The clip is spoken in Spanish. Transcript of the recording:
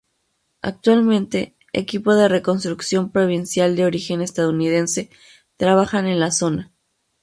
Actualmente, Equipo de Reconstrucción Provincial de origen estadounidense trabajan en la zona.